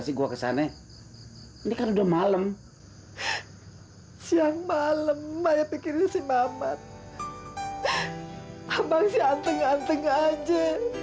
sih gua kesana ini kan udah malem siang malem maya pikirin si mamat abang sianteng anteng aja